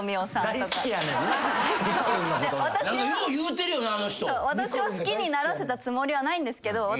私は好きにならせたつもりはないんですけど。